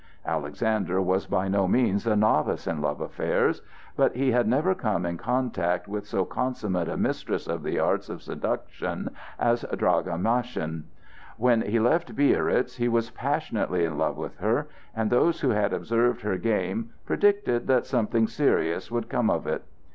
Alexander was by no means a novice in love affairs, but he had never come in contact with so consummate a mistress of the arts of seduction as Draga Maschin. When he left Biarritz he was passionately in love with her, and those who had observed her game predicted that something serious would come of it.